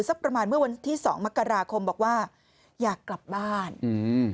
สักประมาณเมื่อวันที่สองมกราคมบอกว่าอยากกลับบ้านอืม